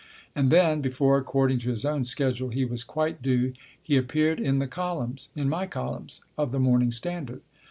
And then, before (according to his own schedule) he was quite due, he appeared in the columns (in my columns) of the Morning Standard.